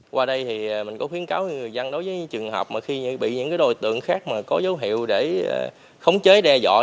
qua đây thì mình có khuyến cáo người dân đối với trường hợp mà khi bị những đối tượng khác có dấu hiệu để khống chế đe dọa